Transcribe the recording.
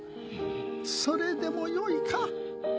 それでもよいか？